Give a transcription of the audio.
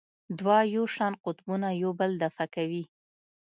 دوه یو شان قطبونه یو بل دفع کوي.